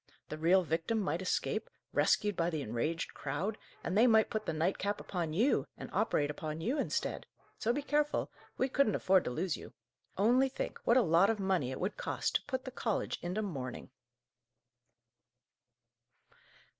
The real victim might escape, rescued by the enraged crowd, and they might put the nightcap upon you, and operate upon you instead! So, be careful. We couldn't afford to lose you. Only think, what a lot of money it would cost to put the college into mourning!"